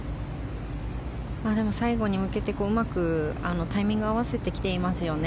でも最後に向けてうまくタイミング合わせてきていますよね。